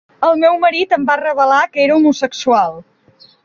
El meu marit em va revelar que era homosexual.